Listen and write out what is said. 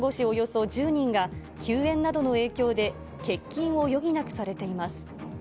およそ１０人が休園などの影響で、欠勤を余儀なくされています。